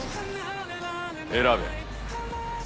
選べ。